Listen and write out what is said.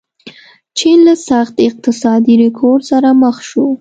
چین له سخت اقتصادي رکود سره مخ شو.